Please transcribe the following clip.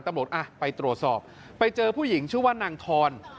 ตำรวจอ่ะไปตรวจสอบไปเจอผู้หญิงชื่อว่านางทอน